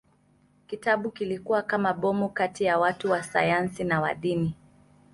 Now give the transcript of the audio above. Kitabu kilikuwa kama bomu kati ya watu wa sayansi na wa dini.